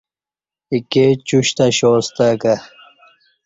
ایکے چشت اشاستہ کہ